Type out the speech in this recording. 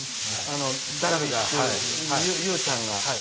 ダルビッシュ有ちゃんが。